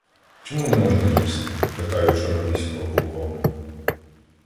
— Чому не можна їсти? — питаю чорноліського полковника.